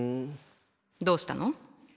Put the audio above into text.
どうしたの？